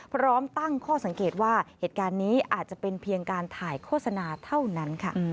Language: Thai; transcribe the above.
พร้อมตั้งข้อสังเกตว่าเหตุการณ์นี้อาจจะเป็นเพียงการถ่ายโฆษณาเท่านั้นค่ะ